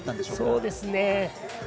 そうですね。